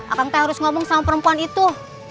abang teh harus ngomong sama perempuan itu